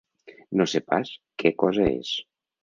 No sé pas què cosa és.